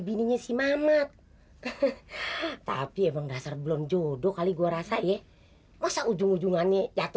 bininya si mamat tapi emang dasar belum jodoh kali gue rasa ya masa ujung ujungannya jatuh